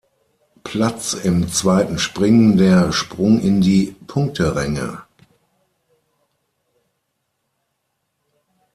Platz im zweiten Springen der Sprung in die Punkteränge.